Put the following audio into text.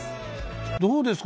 どうですか？